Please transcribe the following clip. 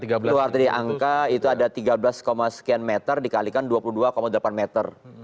keluar dari angka itu ada tiga belas sekian meter dikalikan dua puluh dua delapan meter